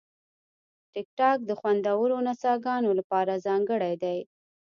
ټیکټاک د خوندورو نڅاګانو لپاره ځانګړی دی.